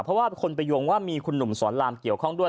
เพราะว่าคนไปโยงว่ามีคุณหนุ่มสอนรามเกี่ยวข้องด้วย